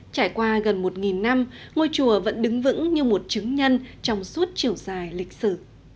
trải qua gần một năm ngôi chùa vẫn đứng vững như một chứng nhân trong suốt chiều dài lịch sử